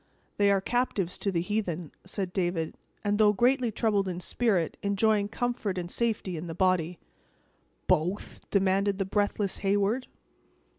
"They are captives to the heathen," said David; "and, though greatly troubled in spirit, enjoying comfort and safety in the body." "Both!" demanded the breathless Heyward.